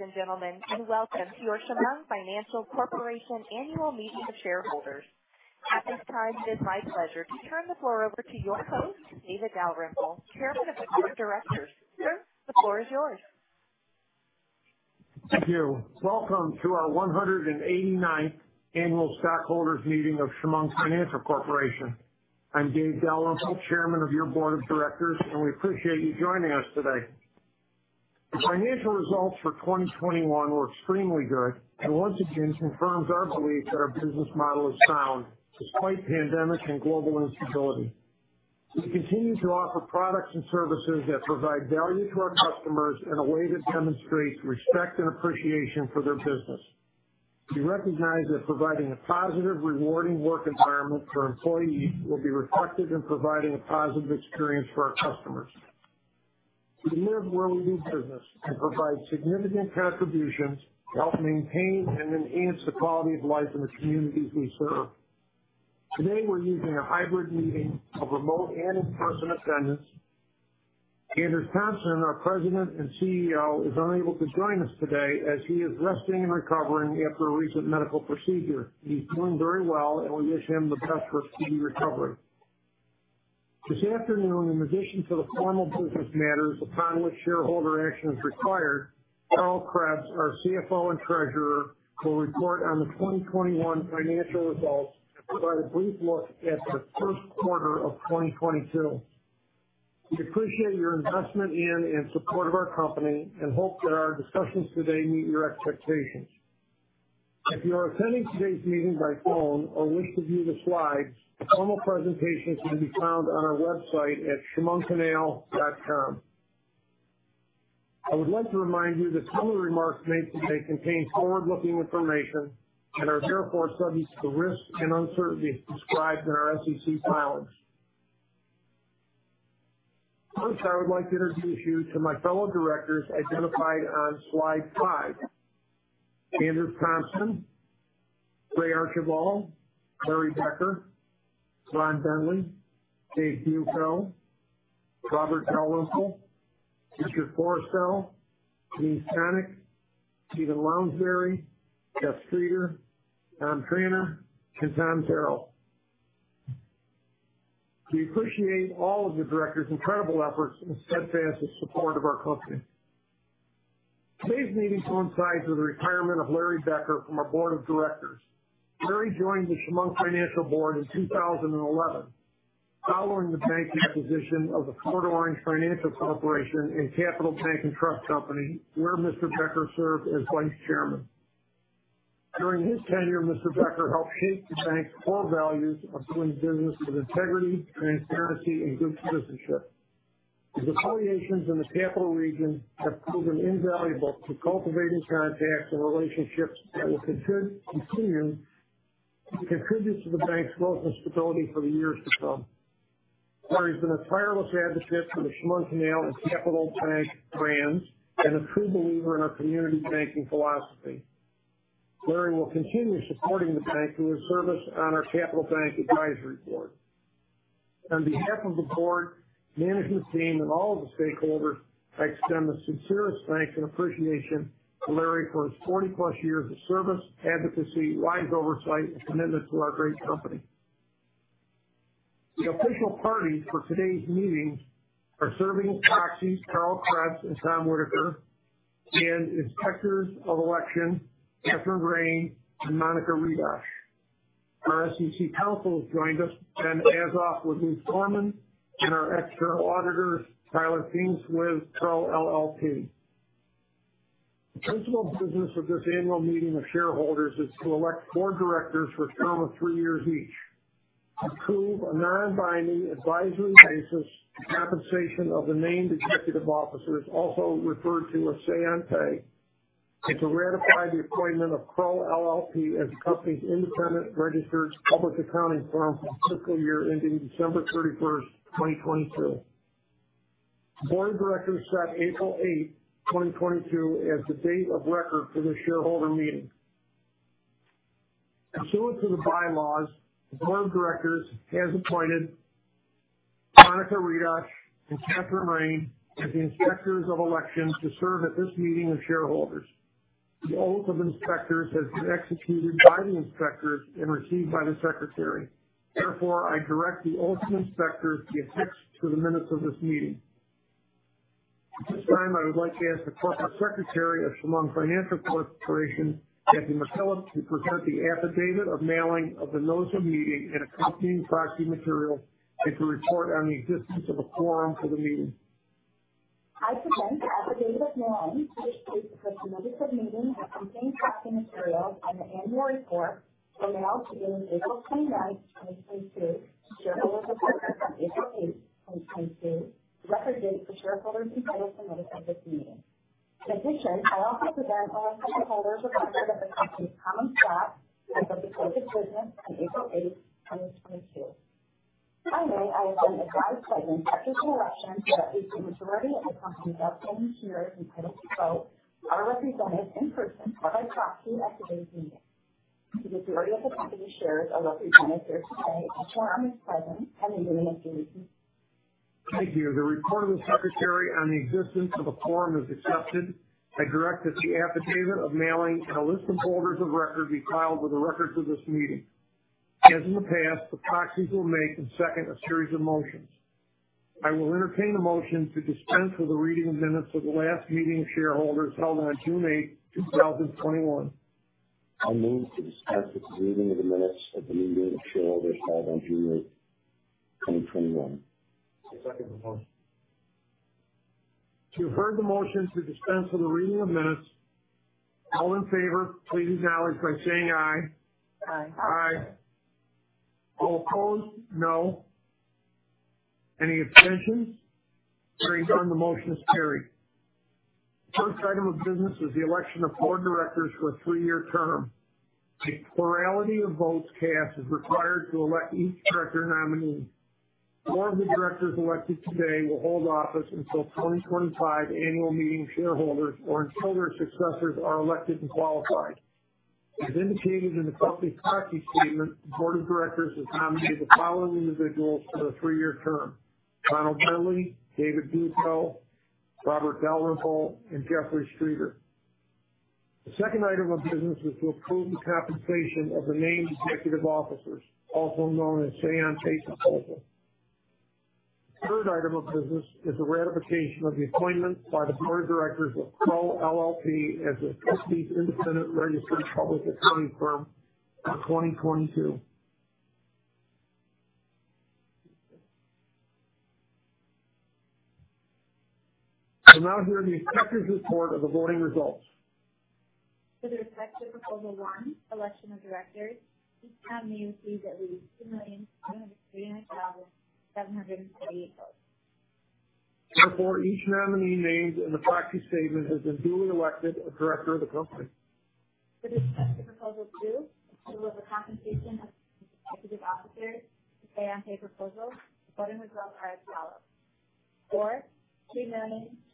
Ladies and gentlemen, and welcome to your Chemung Financial Corporation Annual Meeting of Shareholders. At this time, it is my pleasure to turn the floor over to your host, David Dalrymple, Chairman of the Board of Directors. Sir, the floor is yours. Thank you. Welcome to our 189th annual stockholders meeting of Chemung Financial Corporation. I'm Dave Dalrymple, chairman of your board of directors, and we appreciate you joining us today. The financial results for 2021 were extremely good and once again confirms our belief that our business model is sound despite pandemic and global instability. We continue to offer products and services that provide value to our customers in a way that demonstrates respect and appreciation for their business. We recognize that providing a positive, rewarding work environment for employees will be reflected in providing a positive experience for our customers. We live where we do business and provide significant contributions to help maintain and enhance the quality of life in the communities we serve. Today, we're using a hybrid meeting of remote and in-person attendance. Anders M. Tomson, our President and CEO, is unable to join us today as he is resting and recovering after a recent medical procedure. He's doing very well, and we wish him the best for a speedy recovery. This afternoon, in addition to the formal business matters upon which shareholder action is required, Karl F. Krebs, our CFO and treasurer, will report on the 2021 financial results and provide a brief look at the first quarter of 2022. We appreciate your investment in and support of our company and hope that our discussions today meet your expectations. If you are attending today's meeting by phone or wish to view the slides, the formal presentations can be found on our website at chemungcanal.com. I would like to remind you that some of the remarks made today contain forward-looking information and are therefore subject to the risks and uncertainties described in our SEC filings. First, I would like to introduce you to my fellow directors identified on Slide 5. Andrew Thompson, Raymond Archibold, Larry Becker, Ron Bentley, David Buicko, Robert Dalrymple, Richard Forrestel, Denise Hanrahan, Stephen Lounsbury, Jeff Streeter, Don Traynor, and Tom Tranter. We appreciate all of the directors' incredible efforts and steadfast support of our company. Today's meeting coincides with the retirement of Larry Becker from our board of directors. Larry joined the Chemung Financial Board in 2011 following the bank acquisition of the Fort Orange Financial Corp. and Capital Bank and Trust Company, where Mr. Becker served as vice chairman. During his tenure, Mr. Becker helped shape the bank's core values of doing business with integrity, transparency, and good citizenship. His affiliations in the Capital Region have proven invaluable to cultivating contacts and relationships that will continue to contribute to the bank's growth and stability for the years to come. Larry's been a tireless advocate for the Chemung Canal and Capital Bank brands and a true believer in our community banking philosophy. Larry will continue supporting the bank through his service on our Capital Bank Advisory Board. On behalf of the board, management team, and all of the stakeholders, I extend the sincerest thanks and appreciation to Larry for his 40+ years of service, advocacy, wise oversight, and commitment to our great company. The official parties for today's meeting are serving as proxies, Karl F. Krebs and Thomas C. Whitney, and inspectors of election, Katherine L. Rheim and Monica L. Ridall. Our SEC counsel has joined us, Benjamin M. Azoff with Luse Gorman, and our external auditors, Tiler Teague with Crowe LLP. The principal business of this annual meeting of shareholders is to elect four directors for a term of three years each, approve a non-binding advisory basis compensation of the named executive officers, also referred to as say on pay, and to ratify the appointment of Crowe LLP as the company's independent registered public accounting firm for the fiscal year ending December thirty-first, 2022. The board of directors set April 8th, 2022, as the date of record for this shareholder meeting. Pursuant to the bylaws, the board of directors has appointed Monica L. Ridall and Katherine L. Rheim as the inspectors of election to serve at this meeting of shareholders. The oath of inspectors has been executed by the inspectors and received by the secretary. Therefore, I direct the oath to inspectors be affixed to the minutes of this meeting. At this time, I would like to ask the Corporate Secretary of Chemung Financial Corporation, Kathleen S. McKillip, to present the affidavit of mailing of the notice of meeting and accompanying proxy materials, and to report on the existence of a quorum for the meeting. I present the affidavit of mailing to the shareholders of the company on April 8th, 2022. Thank you. The report of the Secretary on the existence of a quorum is accepted. I direct that the affidavit of mailing and a list of holders of record be filed with the records of this meeting. As in the past, the proxies will make and second a series of motions. I will entertain a motion to dispense with the reading of minutes of the last meeting of shareholders held on June 8th, 2021. I move to dispense with the reading of the minutes of the meeting of shareholders held on June 8th, 2021. I second the motion. You heard the motion to dispense with the reading of minutes. All in favor, please acknowledge by saying aye. Aye. Aye. All opposed, no. Any abstentions? Hearing none, the motion is carried. First item of business is the election of directors for a three-year term. A plurality of votes cast is required to elect each director nominee. The board of directors elected today will hold office until 2025 annual meeting of shareholders or until their successors are elected and qualified. As indicated in the company's proxy statement, the board of directors has nominated the following individuals for the three-year term: Ronald Bentley, David Buicko, Robert Dalrymple, and Jeffrey Streeter. The second item of business is to approve the compensation of the named executive officers, also known as say on pay proposal. Third item of business is the ratification of the appointment by the board of directors of Crowe LLP as the Company's independent registered public accounting firm for 2022. I will now hear the Inspector's report of the voting results. For the respective Proposal 1, election of directors, each nominee received at least 2,203,748 votes. Therefore, each nominee named in the proxy statement has been duly elected a director of the company. For Proposal 2, approval of compensation of executive officers say on pay proposal. The voting results are as follows. For,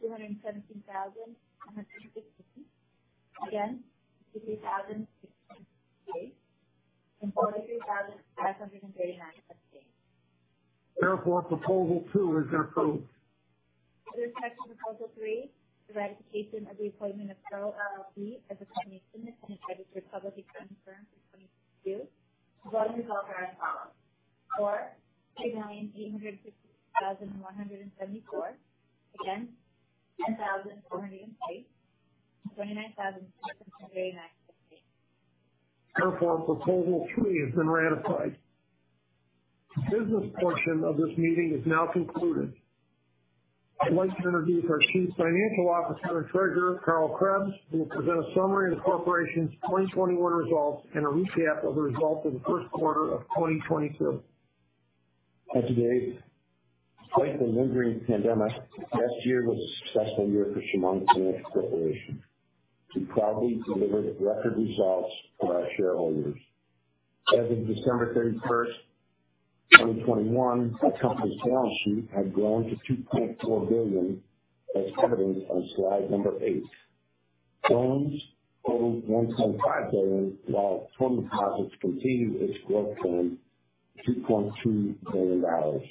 2,217,160. Against, 60,668. 43,539 abstained. Therefore, Proposal 2 is approved. For the respective Proposal 3, the ratification of the appointment of Crowe LLP as the company's independent registered public accounting firm for 2022. The voting results are as follows. For, 2,861,174. Against, 10,408. 29,639 abstained. Therefore, Proposal 3 has been ratified. The business portion of this meeting is now concluded. I'd like to introduce our Chief Financial Officer and Treasurer, Karl F. Krebs, who will present a summary of the corporation's 2021 results and a recap of the results of the first quarter of 2022. Hi today. Despite the lingering pandemic, last year was a successful year for Chemung Financial Corporation. We proudly delivered record results for our shareholders. As of December 31, 2021, the company's balance sheet had grown to $2.4 billion, as evident on Slide 8. Loans totaled $1.5 billion, while total deposits continued its growth to $2.2 billion.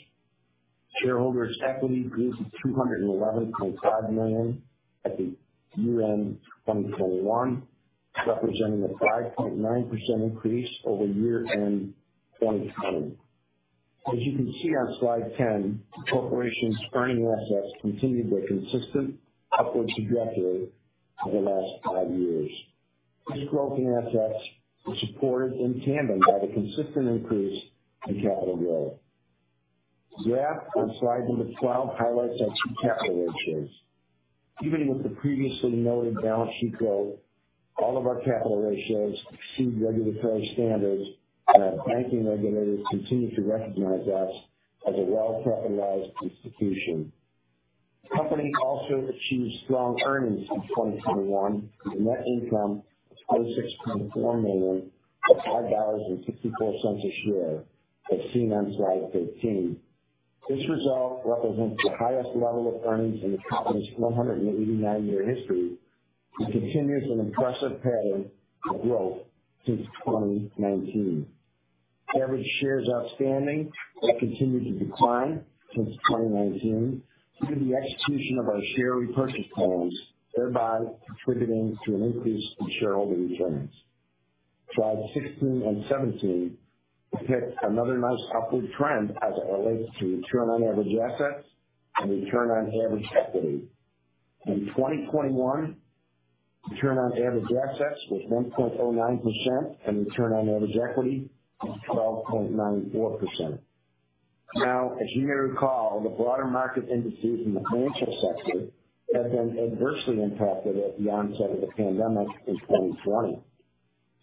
Shareholders equity boosted $211.5 million at the year-end 2021, representing a 5.9% increase over year-end 2020. As you can see on Slide 10, the corporation's earning assets continued their consistent upward trajectory for the last five years. This growth in assets was supported in tandem by the consistent increase in capital ratio. The graph on Slide 12 highlights our two capital ratios. Even with the previously noted balance sheet growth, all of our capital ratios exceed regulatory standards, and our banking regulators continue to recognize us as a well-capitalized institution. The company also achieved strong earnings in 2021, with a net income of $46.4 million at $5.64 a share, as seen on Slide 13. This result represents the highest level of earnings in the company's 189-year history and continues an impressive pattern of growth since 2019. Average shares outstanding have continued to decline since 2019 due to the execution of our share repurchase plans, thereby contributing to an increase in shareholder returns. Slides 16 and 17 depict another nice upward trend as it relates to return on average assets and return on average equity. In 2021, return on average assets was 1.09%, and return on average equity was 12.94%. Now, as you may recall, the broader market indices in the financial sector had been adversely impacted at the onset of the pandemic in 2020,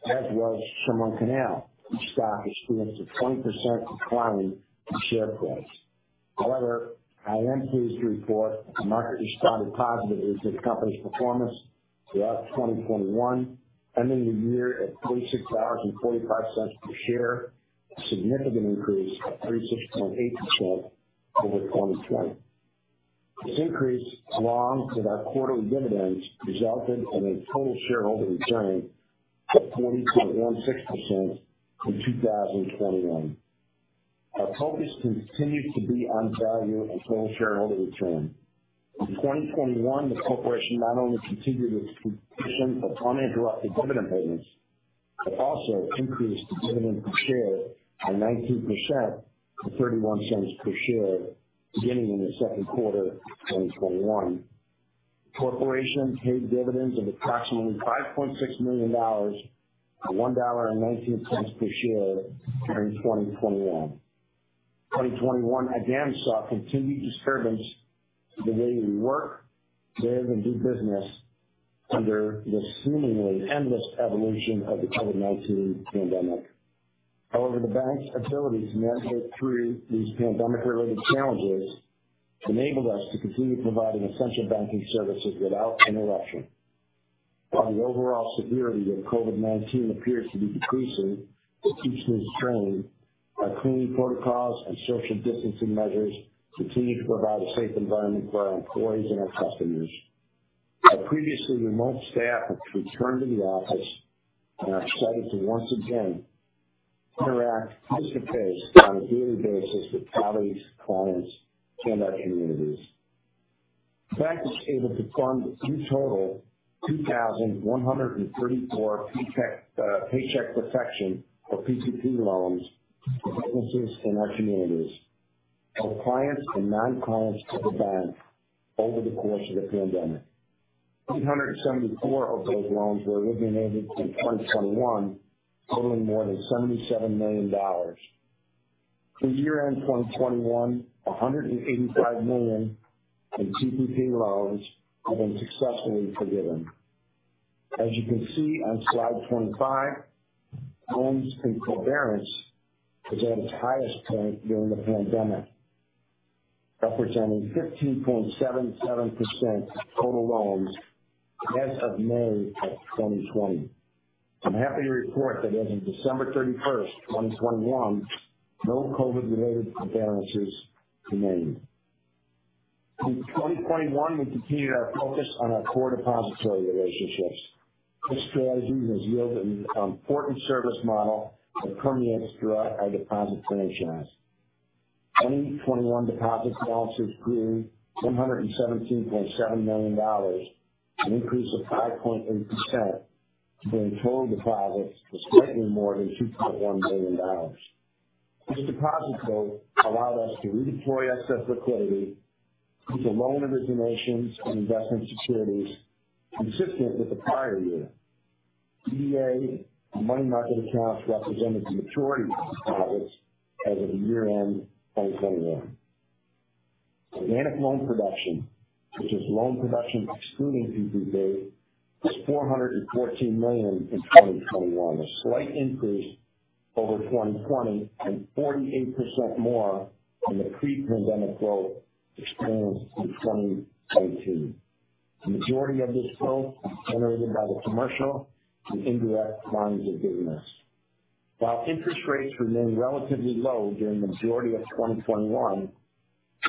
as was Chemung Canal, whose stock experienced a 20% decline in share price. However, I am pleased to report that the market responded positively to the company's performance throughout 2021, ending the year at $36.45 per share, a significant increase of 36.8% over 2020. This increase, along with our quarterly dividends, resulted in a total shareholder return of 20.16% for 2021. Our focus continues to be on value and total shareholder return. In 2021, the corporation not only continued its tradition of uninterrupted dividend payments, but also increased the dividend per share by 19% to $0.31 per share beginning in the second quarter of 2021. The corporation paid dividends of approximately $5.6 million at $1.19 per share during 2021. 2021 again saw continued disturbance to the way we work, live, and do business under the seemingly endless evolution of the COVID-19 pandemic. However, the bank's ability to navigate through these pandemic-related challenges enabled us to continue providing essential banking services without interruption. While the overall severity of COVID-19 appears to be decreasing, it keeps us trained. Our cleaning protocols and social distancing measures continue to provide a safe environment for our employees and our customers. Our previously remote staff have returned to the office, and are excited to once again interact face-to-face on a daily basis with colleagues, clients, and our communities. The bank was able to fund, in total, 2,134 Paycheck Protection, or PPP loans to businesses in our communities. Both clients and non-clients to the bank over the course of the pandemic. 274 of those loans were originated in 2021, totaling more than $77 million. Through year-end 2021, $185 million in PPP loans have been successfully forgiven. As you can see on Slide 25, loans in forbearance was at its highest point during the pandemic, representing 15.77% of total loans as of May of 2020. I'm happy to report that as of December 31, 2021, no COVID-related forbearances remain. Through 2021, we continued our focus on our core depository relationships. This strategy has yielded an important service model that permeates throughout our deposit franchise. 2021 deposit balances grew $117.7 million, an increase of 5.8%, bringing total deposits to slightly more than $2.1 million. This deposit growth allowed us to redeploy excess liquidity into loan originations and investment securities consistent with the prior year. TDA and Money Market Accounts represented the majority of deposits as of year-end 2021. Organic loan production, which is loan production excluding PPP, was $414 million in 2021, a slight increase over 2020 and 48% more than the pre-pandemic growth experienced in 2019. The majority of this growth was generated by the commercial and indirect lines of business. While interest rates remained relatively low during the majority of 2021,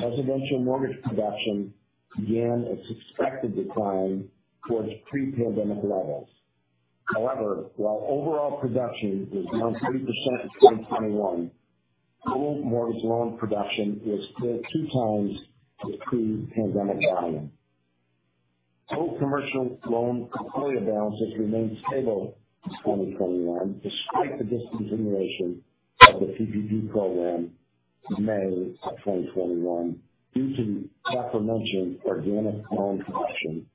residential mortgage production began its expected decline towards pre-pandemic levels. However, while overall production was down 3% in 2021, total mortgage loan production was still two times the pre-pandemic volume. Total commercial loans portfolio balances remained stable in 2021 despite the discontinuation of the PPP program in May of 2021 due to the aforementioned organic loan production,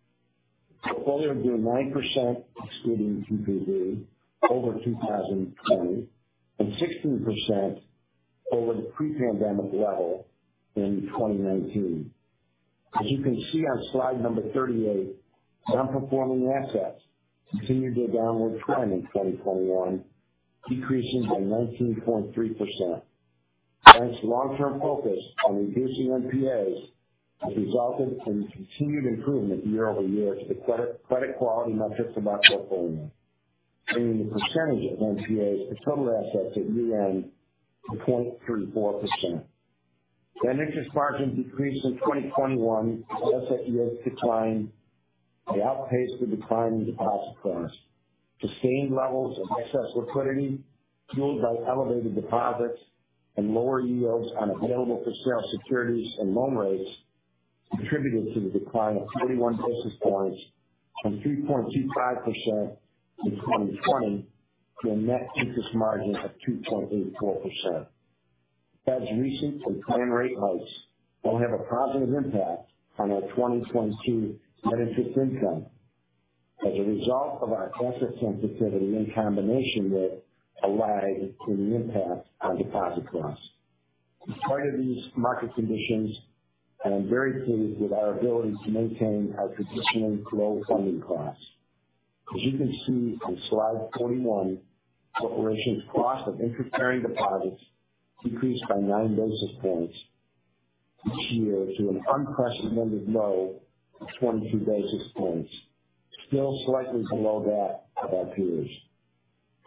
with volume of 9% excluding PPP over 2020, and 16% over the pre-pandemic level in 2019. As you can see on Slide number 38, nonperforming assets continued their downward trend in 2021, decreasing by 19.3%. The bank's long-term focus on reducing NPAs has resulted in continued improvement year-over-year to the credit quality metrics of our portfolio, bringing the percentage of NPAs to total assets at year-end to 0.34%. Net interest margin decreased in 2021 as asset yields declined and outpaced the decline in deposit costs. Sustained levels of excess liquidity, fueled by elevated deposits and lower yields on available-for-sale securities and loan rates, contributed to the decline of 31 basis points from 3.25% in 2020 to a net interest margin of 2.84%. The Fed's recent and planned rate hikes will have a positive impact on our 2022 net interest income as a result of our asset sensitivity in combination with a lag in the impact on deposit costs. Despite these market conditions, I am very pleased with our ability to maintain our traditionally low funding costs. As you can see on Slide 41, the corporation's cost of interest-bearing deposits decreased by 9 basis points this year to an unprecedented low of 22 basis points, still slightly below that of our peers.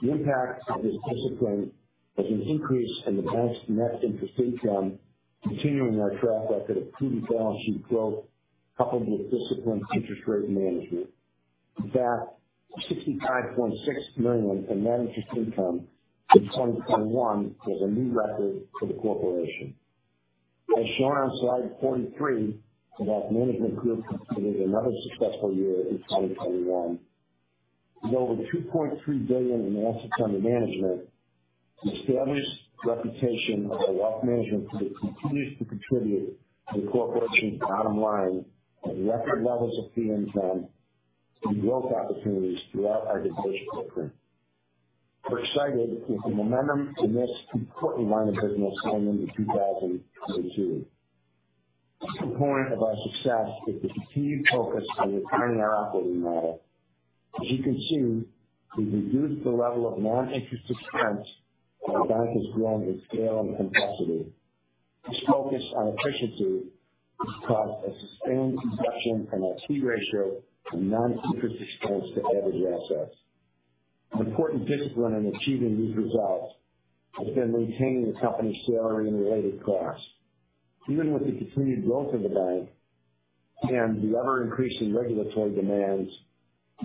The impact of this discipline is an increase in the bank's net interest income, continuing our track record of prudent balance sheet growth coupled with disciplined interest rate management. In fact, $65.6 million in net interest income in 2021 is a new record for the corporation. As shown on Slide 43, our wealth management group completed another successful year in 2021. With over $2.3 billion in assets under management, the established reputation of our wealth management group continues to contribute to the corporation's bottom line at record levels of fee income and growth opportunities throughout our distribution footprint. We're excited with the momentum in this important line of business coming into 2022. A key component of our success is the continued focus on refining our operating model. As you can see, we've reduced the level of non-interest expense as the bank has grown in scale and complexity. This focus on efficiency has caused a sustained reduction in our key ratio of non-interest expense to average assets. An important discipline in achieving these results has been maintaining the company's salary and related costs. Even with the continued growth of the bank and the ever-increasing regulatory demands,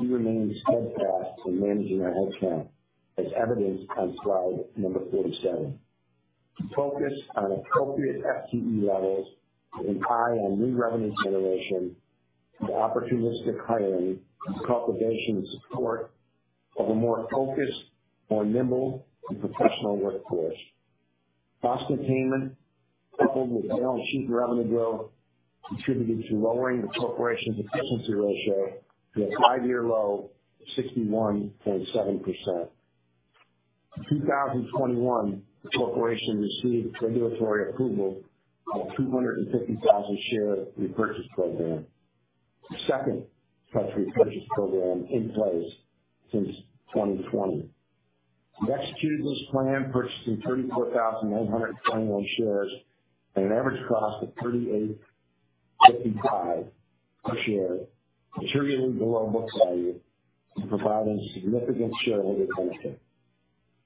we remain steadfast in managing our headcount, as evidenced on slide number 47. The focus on appropriate FTE levels to empower new revenue generation and opportunistic hiring has cultivated support of a more focused, more nimble, and professional workforce. Cost containment, coupled with balance sheet revenue growth, contributed to lowering the corporation's efficiency ratio to a five-year low of 61.7%. In 2021, the corporation received regulatory approval on a 250,000 share repurchase program, the second such repurchase program in place since 2020. We executed this plan purchasing 34,921 shares at an average cost of $38.55 per share, materially below book value and providing significant shareholder return.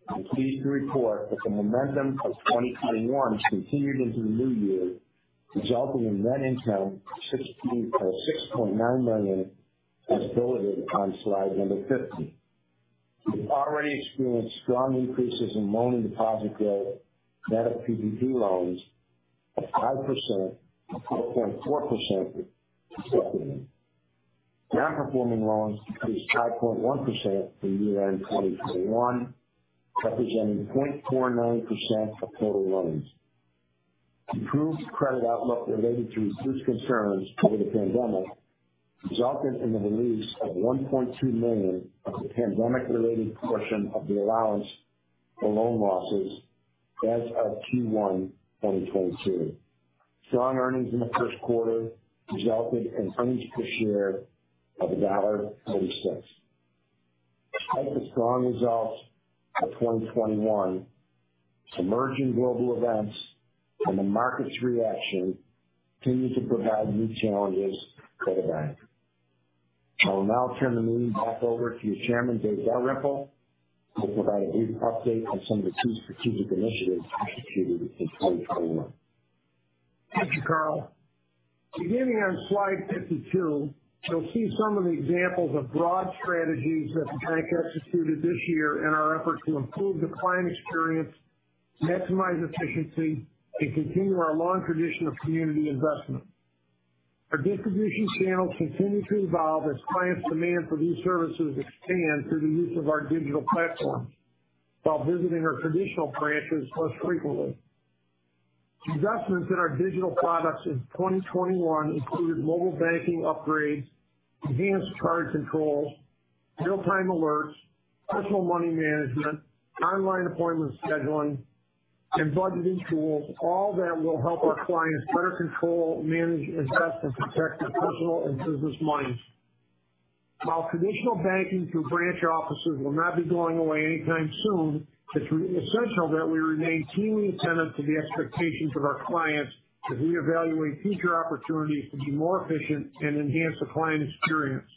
I'm pleased to report that the momentum of 2021 has continued into the new year, resulting in net income of $6.9 million, as depicted on slide number 50. We've already experienced strong increases in loan and deposit growth, net of PPP loans of 5% and 4.4%, respectively. Non-performing loans decreased to 5.1% from year-end 2021, representing 0.49% of total loans. Improved credit outlook related to reduced concerns over the pandemic resulted in the release of $1.2 million of the pandemic-related portion of the allowance for loan losses as of Q1 2022. Strong earnings in the first quarter resulted in earnings per share of $1.36. Despite the strong results of 2021, some emerging global events and the market's reaction continue to provide new challenges for the bank. I will now turn the meeting back over to Chairman David J. Dalrymple to provide a brief update on some of the key strategic initiatives executed in 2021. Thank you, Karl. Beginning on Slide 52, you'll see some of the examples of broad strategies that the bank executed this year in our effort to improve the client experience, maximize efficiency, and continue our long tradition of community investment. Our distribution channels continue to evolve as clients' demand for these services expand through the use of our digital platforms while visiting our traditional branches less frequently. Investments in our digital products in 2021 included mobile banking upgrades, enhanced card controls, real-time alerts, personal money management, online appointment scheduling, and budgeting tools, all that will help our clients better control, manage, invest, and protect their personal and business monies. While traditional banking through branch offices will not be going away anytime soon, it's essential that we remain keenly attentive to the expectations of our clients as we evaluate future opportunities to be more efficient and enhance the client experience.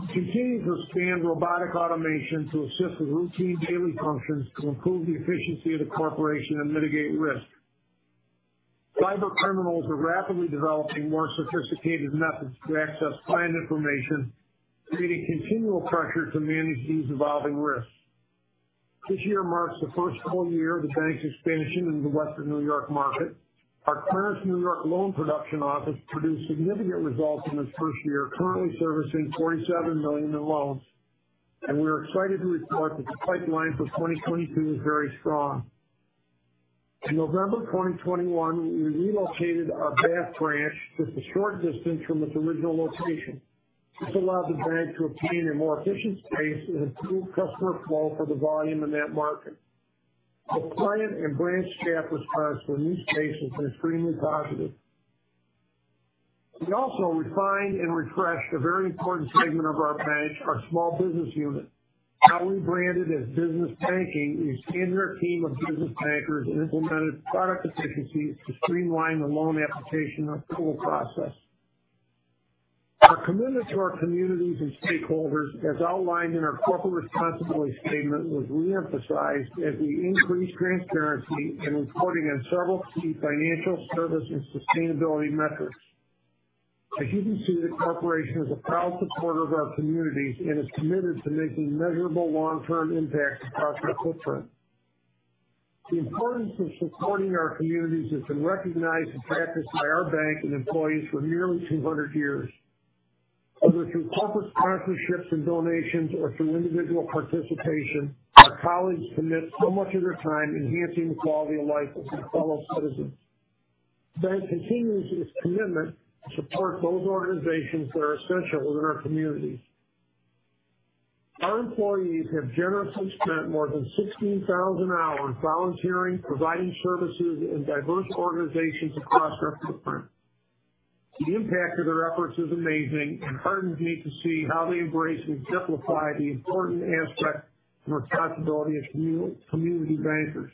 We continue to expand robotic automation to assist with routine daily functions to improve the efficiency of the corporation and mitigate risk. Cybercriminals are rapidly developing more sophisticated methods to access client information, creating continual pressure to manage these evolving risks. This year marks the first full year of the bank's expansion into the Western New York market. Our Clarence, New York loan production office produced significant results in its first year, currently servicing $47 million in loans. We are excited to report that the pipeline for 2022 is very strong. In November 2021, we relocated our Bath branch just a short distance from its original location. This allowed the bank to obtain a more efficient space and improve customer flow for the volume in that market. The client and branch staff response to our new space has been extremely positive. We also refined and refreshed a very important segment of our bank, our small business unit. Now rebranded as business banking, we expanded our team of business bankers and implemented product efficiencies to streamline the loan application approval process. Our commitment to our communities and stakeholders, as outlined in our corporate responsibility statement, was reemphasized as we increased transparency in reporting on several key financial service and sustainability metrics. As you can see, the corporation is a proud supporter of our communities and is committed to making measurable long-term impact across our footprint. The importance of supporting our communities has been recognized and practiced by our bank and employees for nearly 200 years. Whether through corporate sponsorships and donations or through individual participation, our colleagues commit so much of their time enhancing the quality of life of their fellow citizens. The bank continues its commitment to support those organizations that are essential within our communities. Our employees have generously spent more than 16,000 hours volunteering, providing services in diverse organizations across our footprint. The impact of their efforts is amazing and heartening to see how they embrace and exemplify the important aspect and responsibility as community bankers.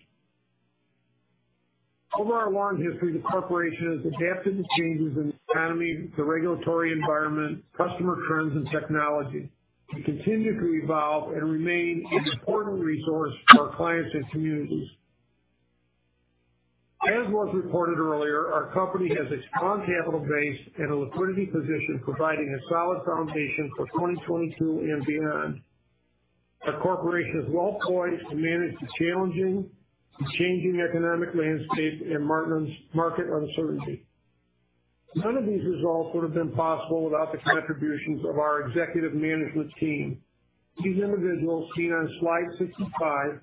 Over our long history, the corporation has adapted to changes in the economy, the regulatory environment, customer trends, and technology. We continue to evolve and remain an important resource for our clients and communities. As was reported earlier, our company has a strong capital base and a liquidity position providing a solid foundation for 2022 and beyond. Our corporation is well poised to manage the challenging and changing economic landscape and market uncertainty. None of these results would have been possible without the contributions of our executive management team. These individuals seen on Slide 65 have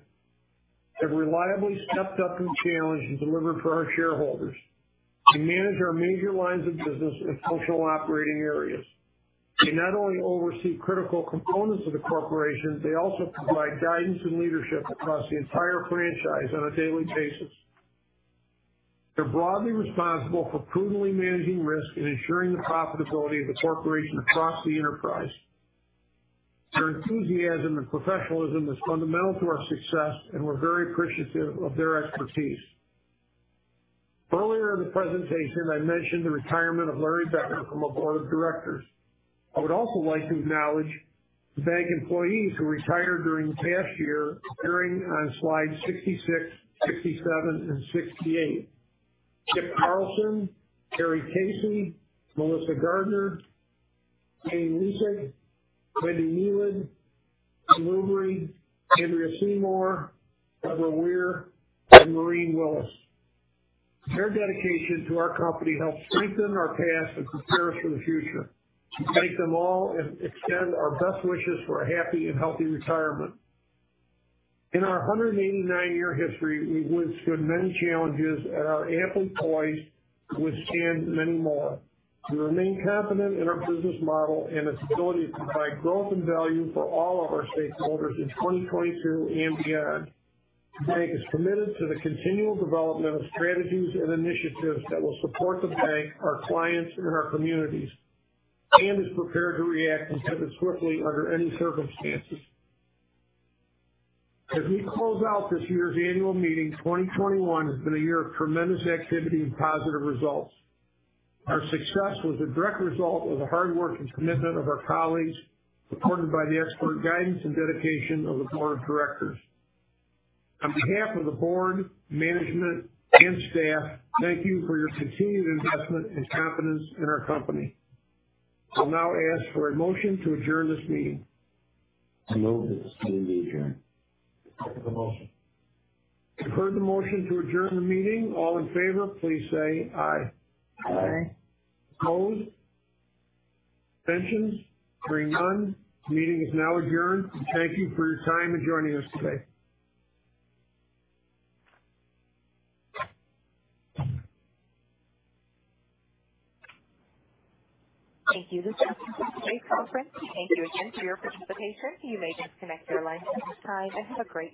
reliably stepped up to the challenge and delivered for our shareholders. They manage our major lines of business in functional operating areas. They not only oversee critical components of the corporation, they also provide guidance and leadership across the entire franchise on a daily basis. They're broadly responsible for prudently managing risk and ensuring the profitability of the corporation across the enterprise. Their enthusiasm and professionalism is fundamental to our success, and we're very appreciative of their expertise. Earlier in the presentation, I mentioned the retirement of Larry Becker from our board of directors. I would also like to acknowledge the bank employees who retired during the past year, appearing on Slides 66, 67, and 68. Chip Carlson, Terry Casey, Melissa Gardner, Jane Klucik, Wendy Nelson, Louis Aubry, Andrea Seymour, Deborah Weir, and Maureen Willis. Their dedication to our company helped strengthen our past and prepare us for the future. We thank them all and extend our best wishes for a happy and healthy retirement. In our 189-year history, we've withstood many challenges and are amply poised to withstand many more. We remain confident in our business model and its ability to provide growth and value for all of our stakeholders in 2022 and beyond. The bank is committed to the continual development of strategies and initiatives that will support the bank, our clients, and our communities, and is prepared to react and pivot swiftly under any circumstances. As we close out this year's annual meeting, 2021 has been a year of tremendous activity and positive results. Our success was a direct result of the hard work and commitment of our colleagues, supported by the expert guidance and dedication of the board of directors. On behalf of the board, management, and staff, thank you for your continued investment and confidence in our company. I'll now ask for a motion to adjourn this meeting. I move that this meeting be adjourned. Second the motion. I've heard the motion to adjourn the meeting. All in favor, please say aye. Aye. Opposed? Abstentions? Hearing none, the meeting is now adjourned. Thank you for your time in joining us today. Thank you. This concludes today's conference. Thank you again for your participation. You may disconnect your lines at this time, and have a great day.